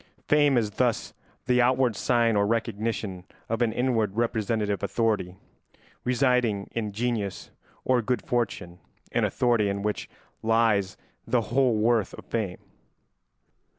Fame is thus the outward sign or recognition of an inward representative authority residing in genius or good fortune, an authority in which lies the whole worth of fame.